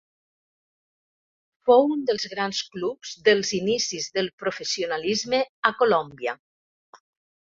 Fou un dels grans clubs dels inicis del professionalisme a Colòmbia.